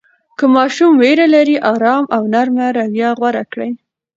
که ماشوم ویره لري، آرام او نرمه رویه غوره کړئ.